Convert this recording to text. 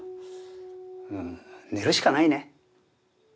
うん寝るしかないね。